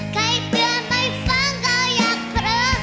ใครเตือนไม่ฟังก็อยากเคลิ้ม